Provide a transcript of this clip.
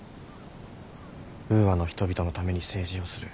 ウーアの人々のために政治をする。